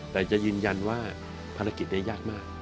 แต่จะยืนยันว่าภารกิจได้ยากมาก